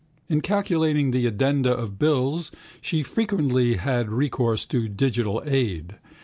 In calculating the addenda of bills she frequently had recourse to digital aid.